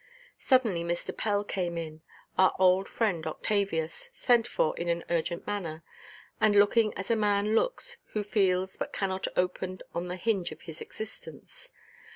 Suddenly Mr. Pell came in, our old friend Octavius, sent for in an urgent manner, and looking as a man looks who feels but cannot open on the hinge of his existence.